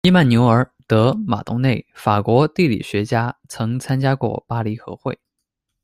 伊曼纽尔·德·马东内，法国地理学家，曾参加过巴黎和会。